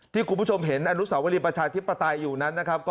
ที่คุณผู้ชมเห็นอนุสาวรีประชาธิปไตยอยู่นั้นนะครับ